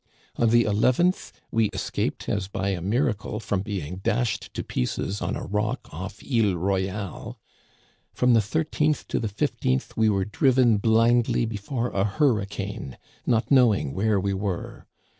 " On the nth we escaped as by a miracle from being dashed to pieces on a rock off Isle Royale. "From the 13th to the 15th we were driven blindly before a hurricane, not knowing where we were.